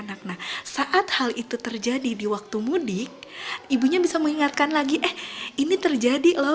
nah saat hal itu terjadi di waktu mudik ibunya bisa mengingatkan lagi eh ini terjadi loh